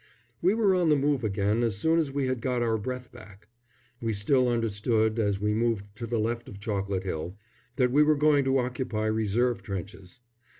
We were on the move again as soon as we had got our breath back. We still understood, as we moved to the left of Chocolate Hill, that we were going to occupy reserve trenches.